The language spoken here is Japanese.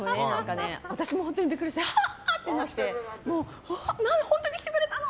私も本当にビックリしてアハハ！ってなってもう、本当に来てくれたの！